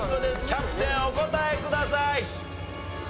キャプテンお答えください。